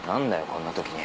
こんな時に。